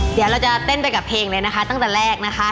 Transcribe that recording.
เดี๋ยวเราจะเต้นไปกับเพลงเลยนะคะตั้งแต่แรกนะคะ